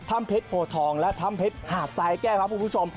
เพชรโพทองและถ้ำเพชรหาดทรายแก้วครับคุณผู้ชม